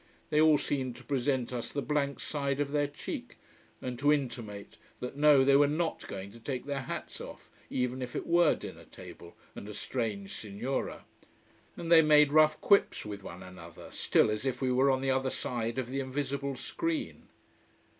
They all seemed to present us the blank side of their cheek, and to intimate that no, they were not going to take their hats off, even if it were dinner table and a strange signora. And they made rough quips with one another, still as if we were on the other side of the invisible screen.